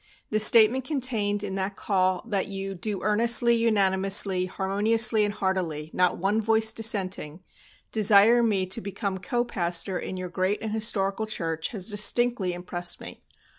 The statement contained in that call that you 'do earnestly, unanimously, harmoniously and heartily, not one voice dissenting,' desire me to become co pastor in your great and historical church has distinctly impressed me.